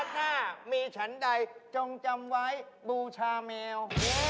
ถ้ามีฉันใดจ้องจำไว้บุชามีว